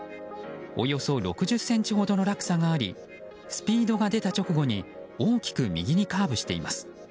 およそ６０ｃｍほどの落差がありスピードが出た直後に大きく右にカーブしています。